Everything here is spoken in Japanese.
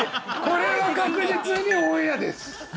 これは確実にオンエアです。